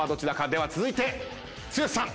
では続いて剛さん！